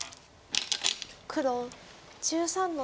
黒１３の三。